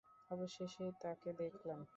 অবশেষে তোকে দেখলাম!